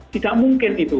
tidak mungkin itu